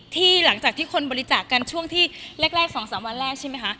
หลังจากที่คนบริจาคกันช่วงที่แรก๒๓วันแรกใช่ไหมคะ